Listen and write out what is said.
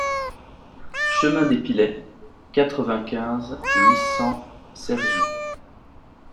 Chemin des Pilets, quatre-vingt-quinze, huit cents Cergy